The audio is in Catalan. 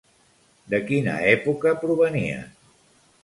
De quina època provenien?